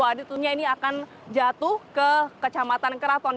maka di sekitar wilayahnya ini akan jatuh ke kecematan keraton